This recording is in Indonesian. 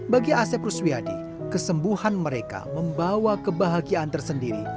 bagi asep ruswiyadi kesembuhan mereka membawa kebahagiaan tersendiri